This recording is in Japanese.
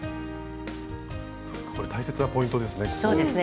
これ大切なポイントですね。